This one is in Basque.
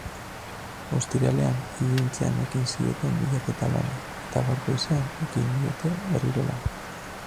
Ostiralean iluntzean ekin zieten bilaketa lanei eta gaur goizean ekin diete berriro lanei.